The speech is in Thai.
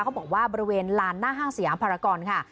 บอกว่าบริเวณลานหน้าห้างสยามภารกรค่ะ